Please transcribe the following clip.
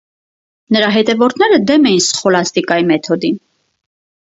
Նրա հետևորդները դեմ էին սխոլաստիկայի մեթոդին։